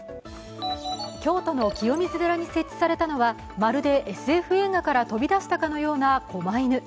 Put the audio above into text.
京都の清水寺に設置されたのはまるでＳＦ映画から飛び出したかのような狛犬。